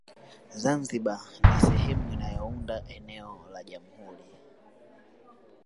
Zanzibar ni sehemu inayounda eneo la Jamhuri